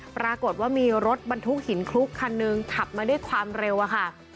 ปรากฏว่ามีรถบรรทุกหินคลุกคันหนึ่งขับมาด้วยความเร็วอะค่ะ